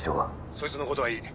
そいつのことはいい。